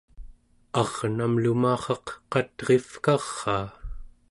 arnam lumarraq qat'rivkaraa